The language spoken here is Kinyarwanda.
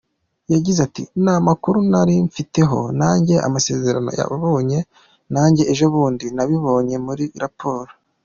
Yagize ati “Nta makuru nari mbifiteho nanjye, amasezerano nayabonye nanjye ejobundi, nabibonye muri raporo.